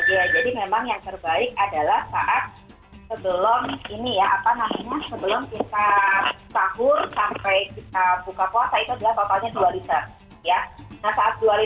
jadi memang yang terbaik adalah saat